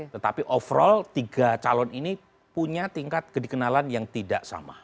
tetapi overall tiga calon ini punya tingkat kedikenalan yang tidak sama